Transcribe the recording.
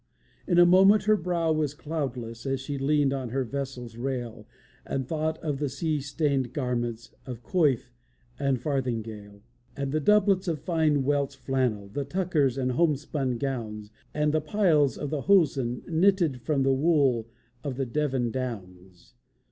In a moment her brow was cloudless, As she leaned on the vessel's rail, And thought of the sea stained garments, Of coif and of farthingale; And the doublets of fine Welsh flannel, The tuckers and homespun gowns, And the piles of the hosen knitted From the wool of the Devon downs.